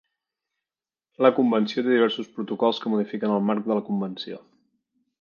La convenció té diversos protocols que modifiquen el marc de la convenció.